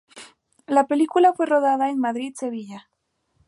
La película fue rodada en Madrid y Sevilla.